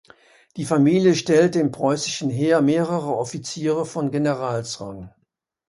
Die Familie stellte im preußischen Heer mehrere Offiziere von Generalsrang.